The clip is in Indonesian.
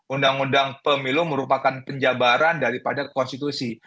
undang undang pemilu merupakan penjabaran daripada konstitusi